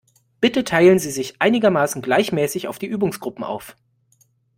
Bitte teilen Sie sich einigermaßen gleichmäßig auf die Übungsgruppen auf.